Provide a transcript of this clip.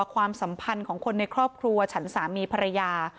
ความสัมพันธ์ของคนในครอบครัวฉันสามีภรรยา